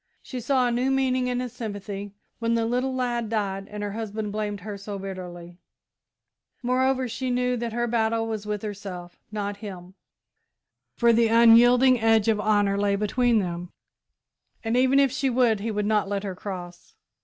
She saw a new meaning in his sympathy when the little lad died and her husband blamed her so bitterly; moreover, she knew that her battle was with herself, not him, for the unyielding edge of Honour lay between them, and, even if she would, he would not let her cross.